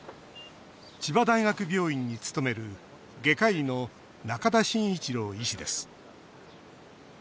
千葉大学病院に勤める外科医の仲田真一郎医師です。